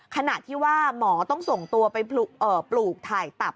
ขณะที่ว่าหมอต้องส่งตัวไปปลูกถ่ายตับ